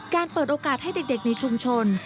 เปิดโอกาสให้เด็กในชุมชน